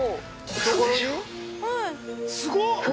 すごいな。